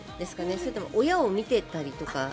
それとも親を見ていたりとか？